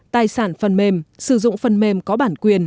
tài sản phần mềm sử dụng phần mềm có bản quyền